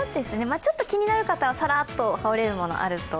ちょっと気になる方はさらっと羽織れるものがあると